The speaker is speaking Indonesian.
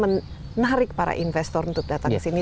bagaimana menarik para investor untuk datang kesini